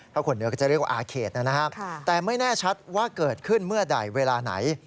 คนเหนือก็จะเรียกว่าอาเขตนะครับแต่ไม่แน่ชัดว่าเกิดขึ้นเมื่อใดเวลาไหน